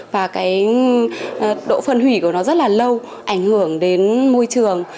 và độ phân hủy của nó rất là lâu ảnh hưởng đến môi trường